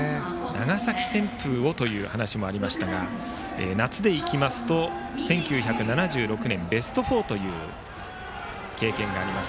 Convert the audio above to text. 長崎旋風をという話もありましたが夏でいきますと１９７６年ベスト４という経験があります